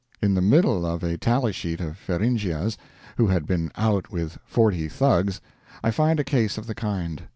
In the middle of a tally sheet of Feringhea's, who had been out with forty Thugs, I find a case of the kind.